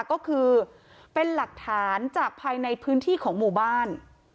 ก็คือเป็นหลักฐานจากภายในพื้นที่ของหมู่บ้าน